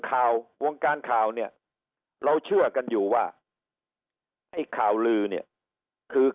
ข่าววงการข่าวเนี่ยเราเชื่อกันอยู่ว่าไอ้ข่าวลือเนี่ยคือ